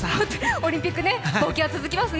オリンピック冒険は続きますね。